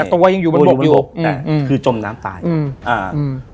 ตัวยังอยู่บนบกอยู่อืมคือจมน้ำตายอืมอ่าอืม